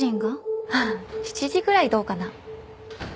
７時ぐらいどうかな？